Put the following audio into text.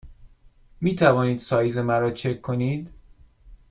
می توانید سایز مرا چک کنید؟